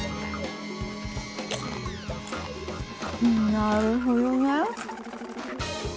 なるほどね。